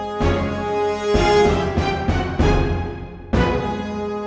jika saya nyabar adalah kelemahan buku berikut